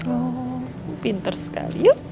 oh pinter sekali yuk